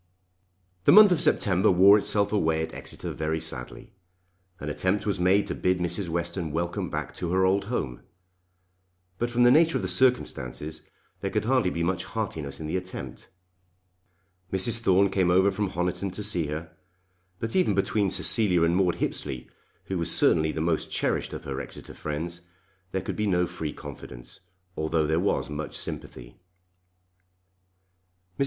The month of September wore itself away at Exeter very sadly. An attempt was made to bid Mrs. Western welcome back to her old home; but from the nature of the circumstances there could hardly be much heartiness in the attempt. Mrs. Thorne came over from Honiton to see her, but even between Cecilia and Maude Hippesley, who was certainly the most cherished of her Exeter friends, there could be no free confidence, although there was much sympathy. Mrs.